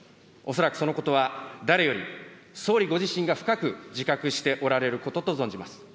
恐らくそのことは誰より、総理ご自身が深く自覚しておられることと存じます。